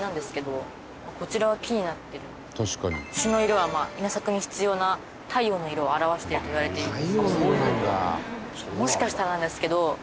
朱の色は稲作に必要な太陽の色を表しているといわれています。